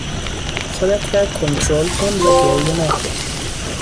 خودت را کنترل کن و گریه نکن.